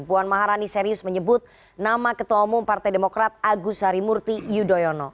puan maharani serius menyebut nama ketua umum partai demokrat agus harimurti yudhoyono